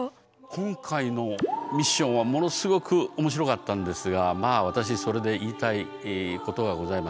今回のミッションはものすごく面白かったんですがまあ私それで言いたいことがございます。